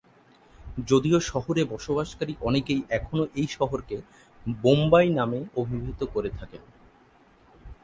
যদিও শহরে বসবাসকারী অনেকেই এখনও এই শহরকে "বোম্বাই" নামে অভিহিত করে থাকেন।